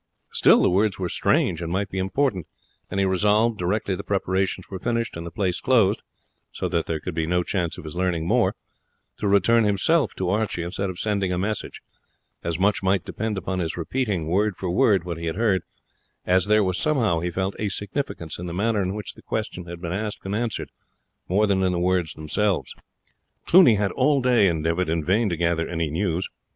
Still the words were strange and might be important; and he resolved, directly the preparations were finished and the place closed, so that there could be no chance of his learning more, to return himself to Archie instead of sending a message, as much might depend upon his repeating, word for word, what he had heard, as there was somehow, he felt, a significance in the manner in which the question had been asked and answered more than in the words themselves. Cluny had all day endeavoured in vain to gather any news.